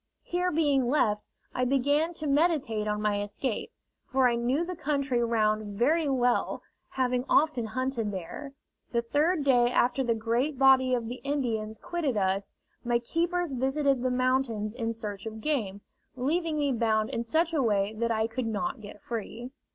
Here being left, I began to meditate on my escape, for I knew the country round very well, having often hunted there. The third day after the great body of the Indians quitted us, my keepers visited the mountains in search of game, leaving me bound in such a way that I could not get free.